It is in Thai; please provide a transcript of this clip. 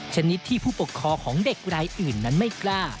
ชนิดที่ผู้ปกครองของเด็กรายอื่นนั้นไม่กล้า